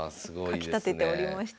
かきたてておりました。